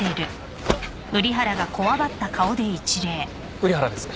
瓜原です。